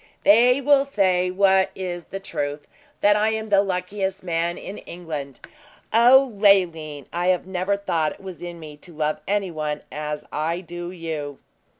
"They will say what is the truth that I am the luckiest man in England. O Leoline! I never thought it was in me to love any one as I do you."'